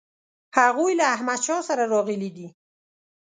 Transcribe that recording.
هغوی له احمدشاه سره راغلي دي.